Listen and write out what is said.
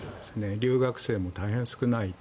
留学生も大変少ないと。